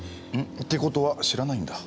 ってことは知らないんだ？